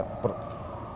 dan pertama adalah